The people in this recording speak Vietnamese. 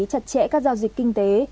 chặt chẽ các giao dịch kinh tế